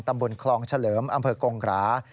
ตำบลคลองเฉลิมอำเภอกงกรา